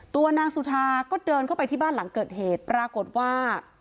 ตัวนางสุธาก็เดินเข้าไปที่บ้านหลังเกิดเหตุปรากฏว่า